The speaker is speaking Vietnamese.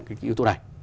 cái yếu tố này